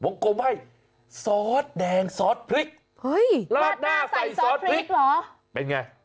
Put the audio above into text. กลมให้ซอสแดงซอสพริกลาดหน้าใส่ซอสพริกเหรอเป็นไง